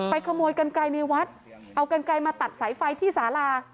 ขโมยกันไกลในวัดเอากันไกลมาตัดสายไฟที่สาลา